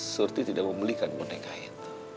surti tidak mau belikan boneka itu